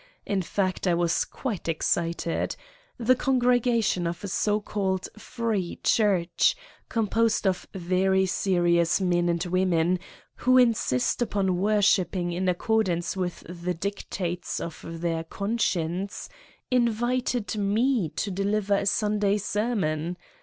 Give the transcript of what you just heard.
In fact I was quite excited. The congregation of a so called "free" church, composed of very serious men and women, who insist upon worshipping in accordance with the dictates of their conscience, invited Me to deliver a Sunday sermon.